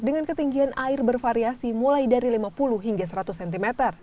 dengan ketinggian air bervariasi mulai dari lima puluh hingga seratus cm